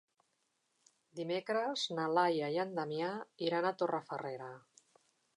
Dimecres na Laia i en Damià iran a Torrefarrera.